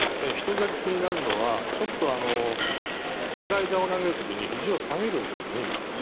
１つだけ気になるのはスライダーを投げる時にひじを下げるんですね、今。